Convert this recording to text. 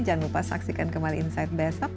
jangan lupa saksikan kembali insight besok